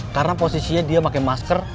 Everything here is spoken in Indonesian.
karena posisinya dia pakai masker